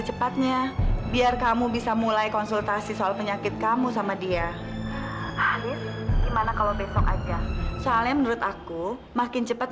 jadi kamila sakit yang diderita edo